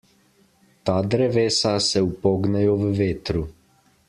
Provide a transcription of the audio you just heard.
Ta drevesa se upognejo v vetru.